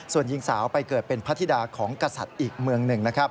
ส่วนหญิงสาวไปเกิดเป็นพระธิดาของกษัตริย์อีกเมืองหนึ่งนะครับ